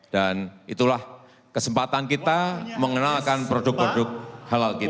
dan itulah kesempatan kita mengenalkan produk produk halal kita